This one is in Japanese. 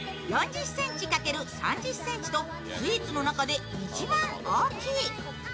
４０ｃｍ×３０ｃｍとスイーツの中で一番大きい。